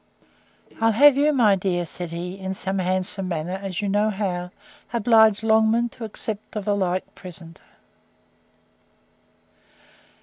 I'd have you, my dear, said he, in some handsome manner, as you know how, oblige Longman to accept of the like present.